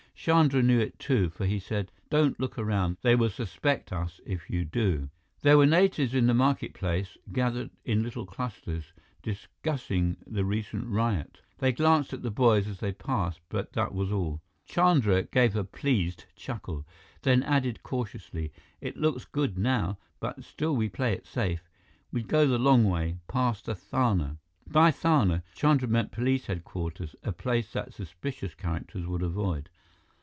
Chandra knew it too, for he said, "Don't look around. They will suspect us if you do." There were natives in the market place, gathered in little clusters, discussing the recent riot. They glanced at the boys as they passed, but that was all. Chandra gave a pleased chuckle, then added cautiously, "It looks good now, but still we play it safe. We go the long way, past the thana." By thana, Chandra meant police headquarters, a place that suspicious characters would avoid.